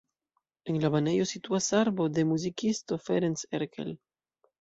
En la banejo situas arbo de muzikisto Ferenc Erkel.